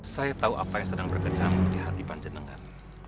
saya tahu apa yang sedang berkecam di hati panjendengan